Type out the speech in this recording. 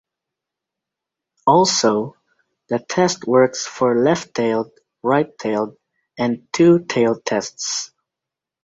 Also, the test works for left-tailed, right-tailed, and two-tailed tests.